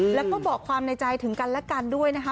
แล้วก็บอกความในใจถึงกันและกันด้วยนะคะ